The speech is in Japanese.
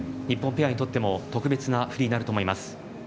日本ペアにとっても特別なフリーになると思います。